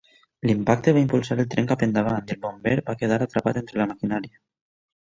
L'impacte va impulsar el tren cap endavant i el bomber que quedar atrapat entre la maquinària.